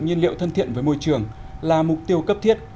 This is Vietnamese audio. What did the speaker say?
với nguyên liệu thân thiện với môi trường là mục tiêu cấp thiết